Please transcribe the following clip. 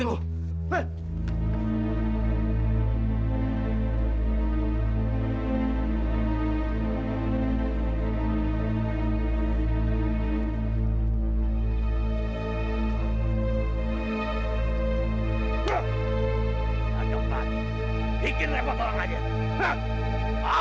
jangan dong pak bikin rempah tolong aja